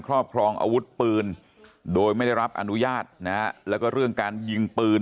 ครอบครองอาวุธปืนโดยไม่ได้รับอนุญาตนะฮะแล้วก็เรื่องการยิงปืน